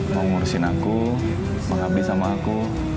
mau ngurusin aku mau menghabis sama aku